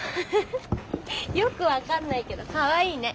よく分かんないけどかわいいね。